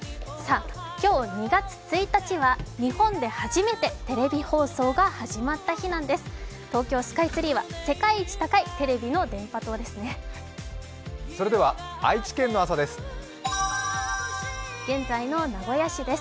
今日２月１日は日本で初めてテレビ放送が始まった日なんです。